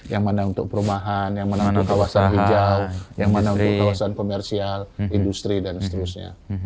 yang mana untuk perumahan yang mana untuk kawasan hijau yang mana untuk kawasan komersial industri dan seterusnya